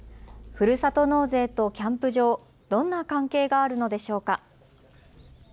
ふるさと納税とキャンプ場、どんな関係があるのでしょうか。